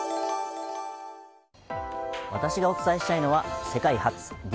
私がお伝えしたいのは世界初！